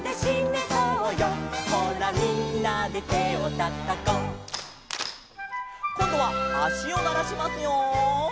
「ほらみんなで手をたたこう」「」こんどはあしをならしますよ。